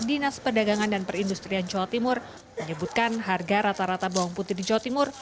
dinas perdagangan dan perindustrian jawa timur menyebutkan harga rata rata bawang putih di jawa timur